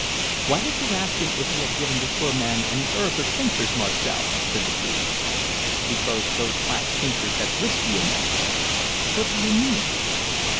"Why did you ask him if he had given the poor man any herbs or tinctures, Marcel?" said the priest. "Because those quack tinctures have whiskey in them." "What do you mean?"